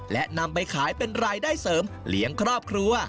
และนำไปขายเป็นรายได้เสริมเลี้ยงครอบครัว